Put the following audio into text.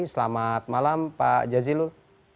selamat malam pak jazilul